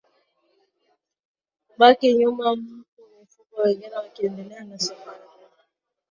Kubaki nyuma huku mifugo wengine wakiendelea na safari